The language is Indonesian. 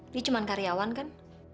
dia cuma karyawan kan